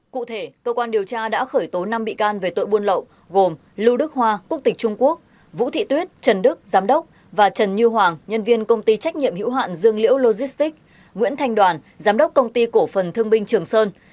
cụ thể cơ quan điều tra đã khởi tố năm bị can về tội buôn lậu gồm lưu đức hoa quốc tịch trung quốc vũ thị tuyết trần đức giám đốc và trần như hoàng nhân viên công ty trách nhiệm hữu hạn dương liễu logistics nguyễn thanh đoàn giám đốc công ty cổ phần thương binh trường sơn